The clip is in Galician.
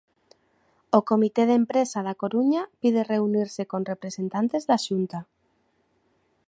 O comité de empresa da Coruña pide reunirse con representantes da Xunta.